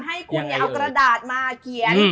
ให้คุณเนี่ยเอาตระดาษมาเขียน